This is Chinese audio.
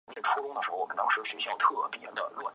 该塔座北面南。